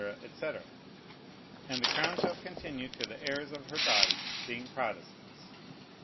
&c. "and the crown shall continue to the heirs of her body, being Protestants."